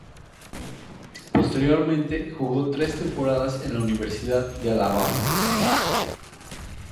Posteriormente jugó tres temporadas en la Universidad de Alabama.